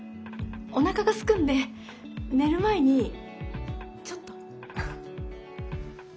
おなかがすくんで寝る前にちょっと。